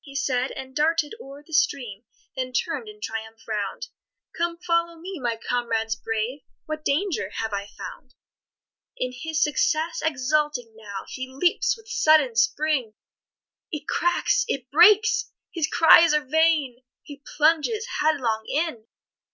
He said, and darted o'er the stream, Then turn'd in triumph round: "Come, follow me, my comrades brave, What danger have I found?" [Illustration: to face pa. 6 Edward] In his success exulting now, He leaps with sudden spring It cracks! it breaks! his cries are vain, He plunges headlong in!